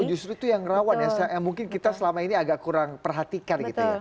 justru itu yang rawan yang mungkin kita selama ini agak kurang perhatikan gitu ya